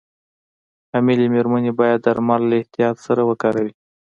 حاملې مېرمنې باید درمل له احتیاط سره وکاروي.